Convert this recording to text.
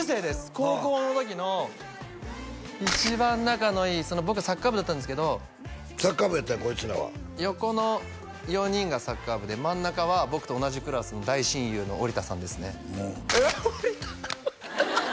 高校の時の一番仲のいい僕サッカー部だったんですけどサッカー部やったんやこいつらは横の４人がサッカー部で真ん中は僕と同じクラスの大親友の折田さんですね折田ハハハ